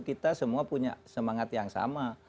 kita semua punya semangat yang sama